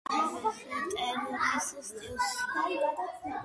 კინოდრამა ვესტერნის სტილში.